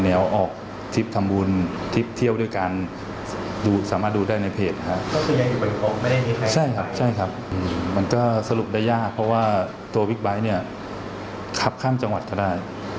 ตัวไอ้บิ๊กไบท์เนี้ยขับข้ามจังหวัดก็ได้